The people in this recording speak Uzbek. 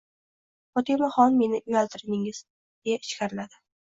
Fotimaxon, meni uyaltirdingiz, — deya ichkariladi.